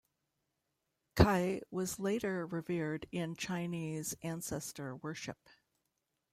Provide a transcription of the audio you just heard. Cai was later revered in Chinese ancestor worship.